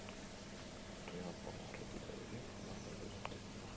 Rigako barrutiko hiriak honakoak dira.